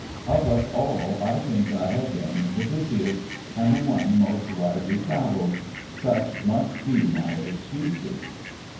Of us all I think I have been the busiest—and the one most widely traveled. Such must be my excuses."